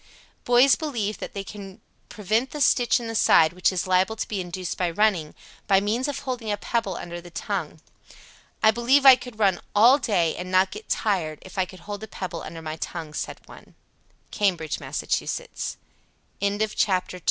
Boys believe that they can prevent the stitch in the side which is liable to be induced by running, by means of holding a pebble under the tongue. "I believe I could run all day, and not get tired, if I could hold a pebble under my tongue," said one. Cambridge, Mass. CHAPTER III. PHYSICAL CHARACTERISTICS.